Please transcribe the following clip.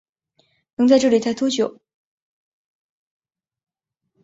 能在这里待多久